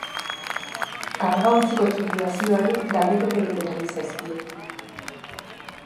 Kargaontziko tripulazioari galdeketa egiten ari zaizkio.